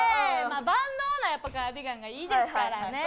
まあ万能なやっぱカーディガンがいいですからね